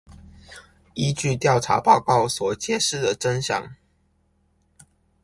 依據調查報告所揭示的真相